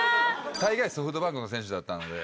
大概ソフトバンクの選手だったので。